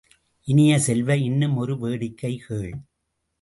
இனிய செல்வ, இன்னும் ஒரு வேடிக்கை கேள்!